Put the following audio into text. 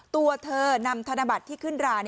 ตัวเธอนำธนบัตรที่ขึ้นร้าน